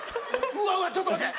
うわうわちょっと待って。